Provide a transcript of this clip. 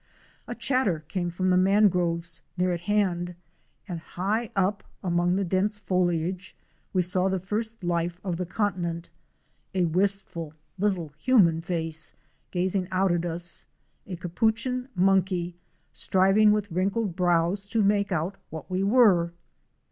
A chatter came from the mangroves near at hand, and high up among the dense foliage we saw the first life of the continent — a wistful little human face gazing out at us, a capuchin monkey striving with wrinkled brows to make out what we were.